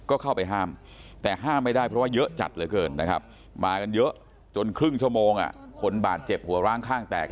ก็เข้าไปห้ามแต่ห้ามไม่ได้เพราะว่าเยอะจัดเหลือเกินนะครับมากันเยอะจนครึ่งชั่วโมงคนบาดเจ็บหัวร้างข้างแตก